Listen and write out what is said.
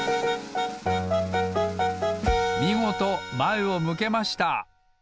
みごとまえを向けました！